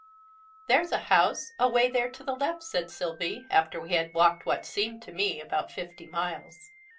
"There's a house, away there to the left," said Sylvie, after we had walked what seemed to me about fifty miles.